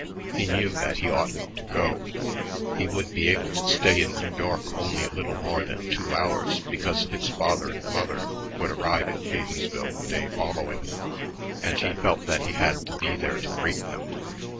He knew that he oughtn't to go. He would be able to stay in New York only a little more than two hours because his father and mother would arrive in Haydensville the day following, and he felt that he had to be there to greet them.